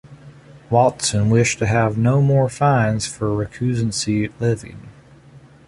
Watson wished to have no more fines for recusancy levied.